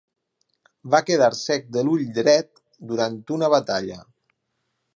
Va quedar cec de l'ull dret durant una batalla.